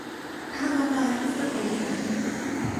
Та дандаа айхавтар бодож байх юм.